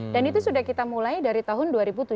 dan itu sudah kita mulai dari tahun dua ribu tujuh belas